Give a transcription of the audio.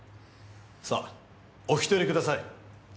さあお引き取りください。